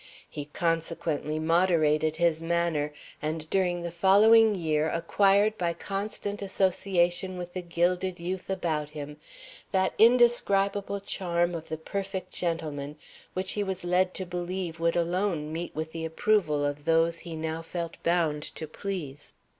He consequently moderated his manner, and during the following year acquired by constant association with the gilded youth about him that indescribable charm of the perfect gentleman which he was led to believe would alone meet with the approval of those he now felt bound to please.